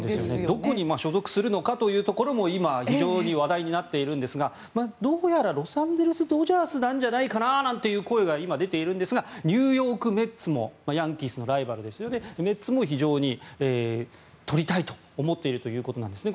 どこに所属するのかというところも今、非常に話題になっているんですがどうやらロサンゼルス・ドジャースなんじゃないかなという声が今、出ているんですがニューヨーク・メッツもヤンキースのライバルメッツも非常に取りたいと思っているということなんですね。